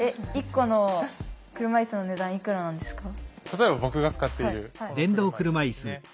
例えば僕が使っているこの車いすですね